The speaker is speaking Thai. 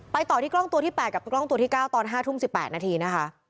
ไปต่อที่กล้องตัวที่แปดกับกล้องตัวที่เก้าตอนห้าทุ่มสิบแปดนาทีนะคะ